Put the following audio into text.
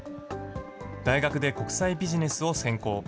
大学で国際ビジネスを専攻。